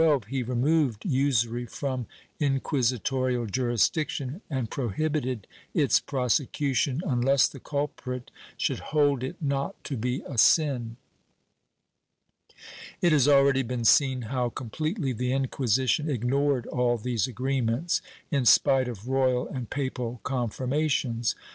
374 MISCELLANEOUS BUSINESS [Book VIII confirmed the Concordia of 1512, he removed usury from inquisi torial jurisdiction and prohibited its prosecution unless the culprit should hold it not to be a sin/ It has already been seen how completely the Inquisition ignored all these agreements, in spite of royal and papal confirmations.